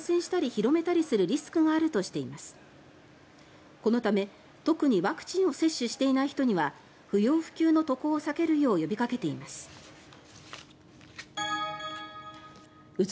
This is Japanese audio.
このため特にワクチンを接種していない人には不要不急の渡航を避けるよう呼びかけています。